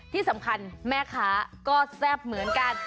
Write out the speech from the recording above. ที่สำคัญแม่ค้าก็แซ่บเหมือนกัน